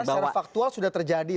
karena secara faktual sudah terjadi